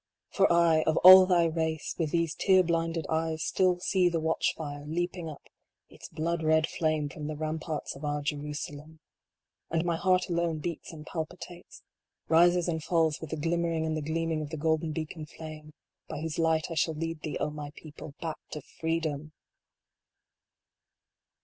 For I, of all thy race, with these tear blinded eyes, still see the watch fire leaping up its blood red flame from the ramparts of our Jerusalem ! And my heart alone beats and palpitates, rises and falls with the glimmering and the gleaming of the golden beacon flame, by whose light I shall lead thee, O my people ! back to freedom